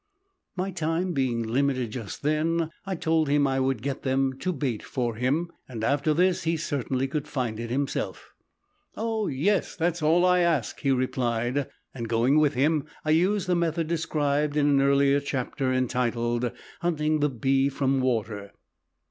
My time being limited just then, I told him I would get them to bait for him and after this he certainly could find it himself. "Oh, yes, that's all I ask," he replied. Going with him, I used the method described in an early chapter entitled "Hunting the Bee from Water."